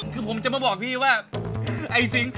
คือผมจะมาบอกพี่ว่าไอ้ซิงค์